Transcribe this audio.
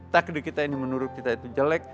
takdir kita ini menurut kita itu jelek